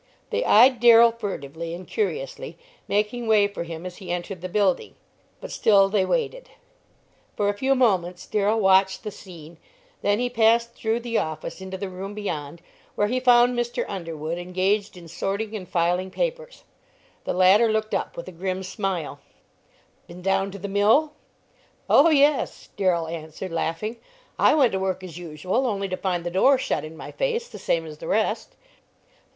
They eyed Darrell furtively and curiously, making way for him as he entered the building, but still they waited. For a few moments Darrell watched the scene, then he passed through the office into the room beyond, where he found Mr. Underwood engaged in sorting and filing papers. The latter looked up with a grim smile: "Been down to the mill?" "Oh, yes," Darrell answered, laughing; "I went to work as usual, only to find the door shut in my face, the same as the rest."